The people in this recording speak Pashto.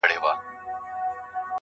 هغه لمرینه نجلۍ تور ته ست کوي.